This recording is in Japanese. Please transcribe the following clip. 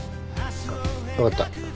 分かった。